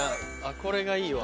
これがいいわ。